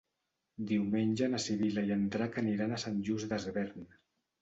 Diumenge na Sibil·la i en Drac aniran a Sant Just Desvern.